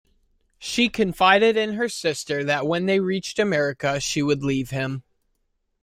She confided in her sister that when they reached America she would leave him.